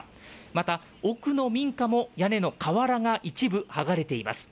また奥の民家も屋根の瓦が一部はがれています。